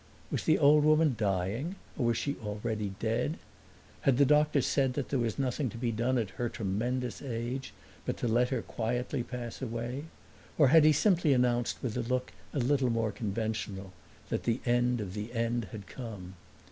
Was the old woman dying, or was she already dead? Had the doctor said that there was nothing to be done at her tremendous age but to let her quietly pass away; or had he simply announced with a look a little more conventional that the end of the end had come?